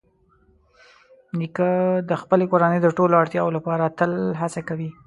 نیکه د خپلې کورنۍ د ټولو اړتیاوو لپاره تل هڅه کوي.